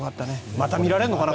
また見られるのかな。